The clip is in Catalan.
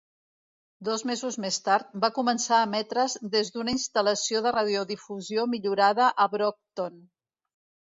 Dos mesos més tard, va començar a emetre's des d'una instal·lació de radiodifusió millorada a Brockton.